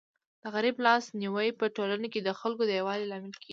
د غریب لاس نیوی په ټولنه کي د خلکو د یووالي لامل کيږي.